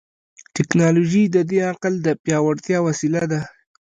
ټیکنالوژي د دې عقل د پیاوړتیا وسیله ده.